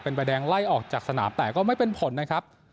ใบแดงไล่ออกจากสนามแต่ก็ไม่เป็นผลนะครับ